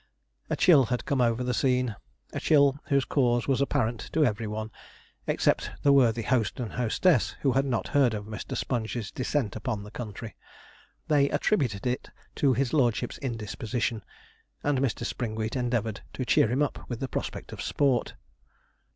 A chill had come over the scene a chill whose cause was apparent to every one, except the worthy host and hostess, who had not heard of Mr. Sponge's descent upon the country. They attributed it to his lordship's indisposition, and Mr. Springwheat endeavoured to cheer him up with the prospect of sport.